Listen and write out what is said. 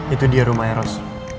itu dia rumah eros